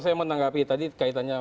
saya mau tanggapi tadi kaitannya